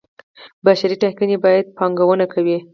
بشري پانګې باندې پانګونه کوي.